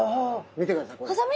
見てくださいこれ。